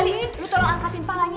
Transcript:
yuk kita taruh situ palangnya